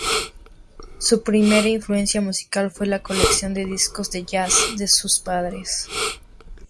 Su primera influencia musical fue la colección de discos de jazz de sus padres.